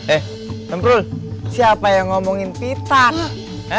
eh tentul siapa yang ngomongin petak